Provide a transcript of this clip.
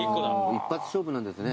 一発勝負なんですね。